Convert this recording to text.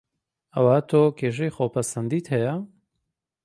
ئەوا تۆ کێشەی خۆ پەسەندیت هەیە